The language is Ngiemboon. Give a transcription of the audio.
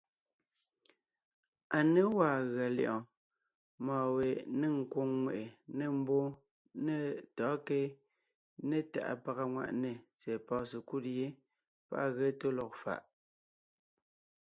À ně gwàa gʉa lyɛ̌ʼɔɔn mɔ̌ɔn we nêŋ nkwòŋ ŋweʼe, nê mbwóon, nê tɔ̌ɔnkě né tàʼa pàga ŋwàʼne tsɛ̀ɛ pɔ̀ɔn sekúd yé páʼ à ge tó lɔg faʼ.